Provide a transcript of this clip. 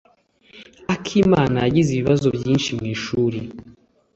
Akimana yagize ibibazo byinshi mwishuri.